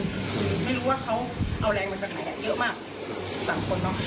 คือไม่รู้ว่าเขาเอาแรงมาจากไหนเยอะมาก๓คนเนอะ